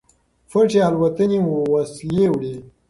پټې الوتنې وسلې وړي.